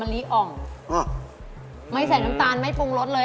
อันนี้ตากไม่ใช่น้ำตาลไม่ปรุงรสเลย